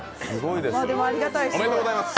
ありがたいです。